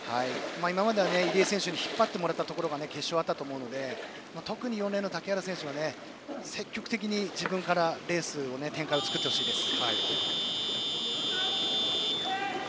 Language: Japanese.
今までは入江選手に引っ張ってもらっていたところが決勝はあったと思うので特に竹原選手は積極的に自分からレースの展開を作ってほしいです。